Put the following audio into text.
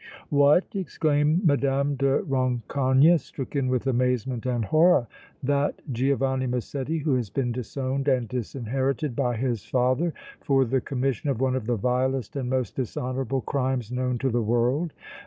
"What!" exclaimed Mme. de Rancogne, stricken with amazement and horror. "That Giovanni Massetti who has been disowned and disinherited by his father for the commission of one of the vilest and most dishonorable crimes known to the world?"